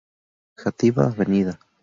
Játiva, Av.